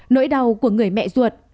nỗi đau của người mẹ ruột